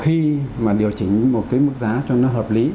khi mà điều chỉnh một cái mức giá cho nó hợp lý